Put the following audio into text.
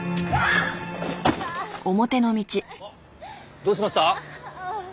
どうしました？